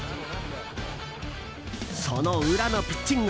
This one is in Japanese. その裏のピッチング。